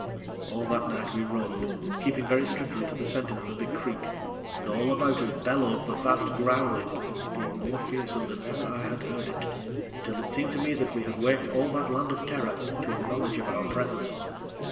All that night we rowed, keeping very strictly to the center of the big creek, and all about us bellowed the vast growling, being more fearsome than ever I had heard it, until it seemed to me that we had waked all that land of terror to a knowledge of our presence.